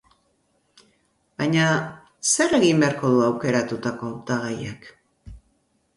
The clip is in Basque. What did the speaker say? Baina, zer egin beharko du aukeratutako hautagaiak?